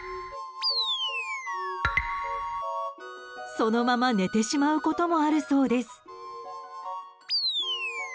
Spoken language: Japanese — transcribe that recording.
そのまま寝てしまうこともあるそうです。